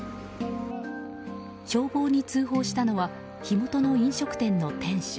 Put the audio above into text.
消防に通報したのは火元の飲食店の店主。